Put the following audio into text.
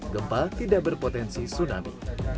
gempa tidak berpotensi tsunami